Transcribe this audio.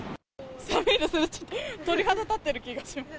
寒いですね、ちょっと鳥肌立ってる気がします。